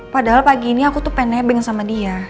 padahal pagi ini aku tuh pengen nebeng sama dia